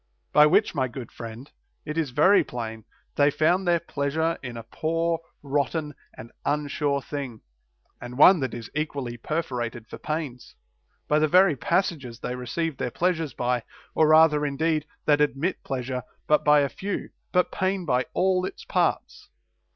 By which, my good friend, it is very plain, they found their pleasure in a poor, rotten, and unsure thing, and one that is equally perforated for pains, by the very passages they receive their pleasures by ; or rather indeed, that admits pleasure but by a few, but pain by all its parts.